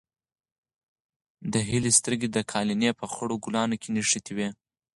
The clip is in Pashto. د هیلې سترګې د قالینې په خړو ګلانو کې نښتې وې.